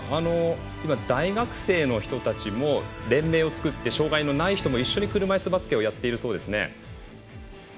今大学生の人たちも連盟を作って、障がいのない人も一緒に車いすバスケットをやっているそうですね。